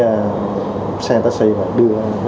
sau khi lên taxi đối tượng lên sân bay